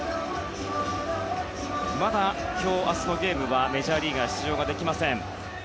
まだ今日、明日のゲームはメジャーリーガー出場ができません。